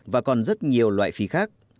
và còn rất nhiều loại phí khác